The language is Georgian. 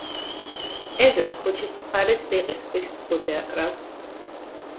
ეზოს, ქუჩის მხარეს, რიყის ქვის ზღუდე აკრავს.